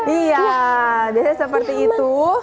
iya biasanya seperti itu